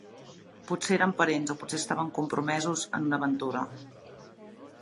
Potser eren parents o potser estaven compromesos en una aventura.